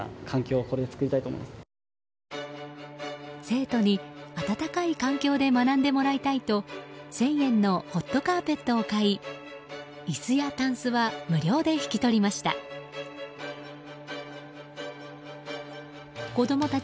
生徒に暖かい環境で学んでもらいたいと１０００円のホットカーペットを買い椅子やタンスは無料で引き取りました。